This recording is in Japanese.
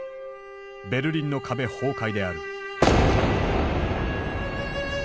ベルリンの壁崩壊である。